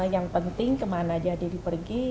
yang penting kemana dia deddy pergi